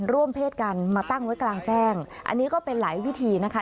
ร่วมเพศกันมาตั้งไว้กลางแจ้งอันนี้ก็เป็นหลายวิธีนะคะ